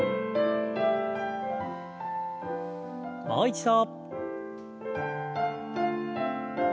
もう一度。